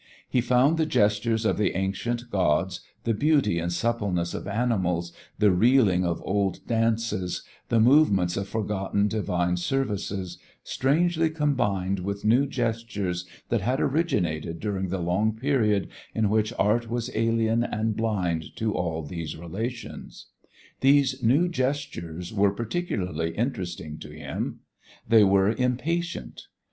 He found the gestures of the ancient gods, the beauty and suppleness of animals, the reeling of old dances, the movements of forgotten divine services, strangely combined with new gestures that had originated during the long period in which art was alien and blind to all these relations. These new gestures were particularly interesting to him. They were impatient.